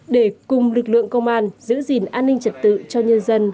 để cùng lực lượng công an giữ gìn an ninh trật tự cho nhân dân